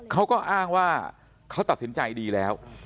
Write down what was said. เขาก็อ้างว่าเขาตัดสินใจดีแล้ว